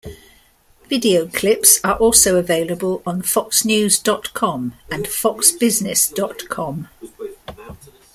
Video clips are also available on Foxnews dot com and Foxbusiness dot com.